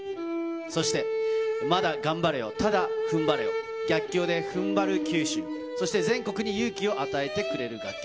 そして、まだ頑張れよ、ただふんばれよ、逆境でふんばる九州にそして全国に勇気を与えてくれる楽曲。